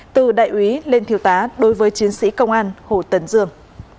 từ đại úy lên thiếu tá đối với chiến sĩ công an hồ tấn dương